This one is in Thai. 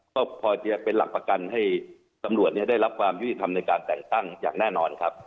ก็พอจะเป็นหลักประกันให้ตำรวจได้รับความยุติธรรมในการแต่งตั้งอย่างแน่นอนครับ